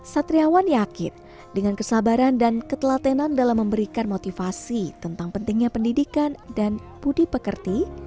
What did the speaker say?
satriawan yakin dengan kesabaran dan ketelatenan dalam memberikan motivasi tentang pentingnya pendidikan dan budi pekerti